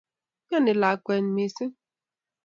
Imnyonii lakwet mising